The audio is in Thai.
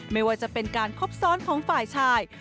ไม่ว่าจะเป็นการคบซ้อนของฝ่ายชาย